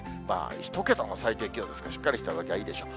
１桁の最低気温ですから、しっかりした上着がいいでしょう。